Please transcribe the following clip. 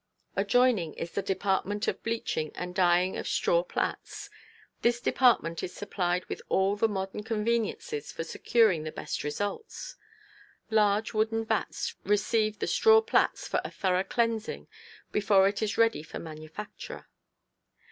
Adjoining is the department of bleaching and dyeing of straw plaits. This department is supplied with all the modern conveniences for securing the best results. Large wooden vats receive the straw plaits for a thorough cleansing before it is ready for manufacture.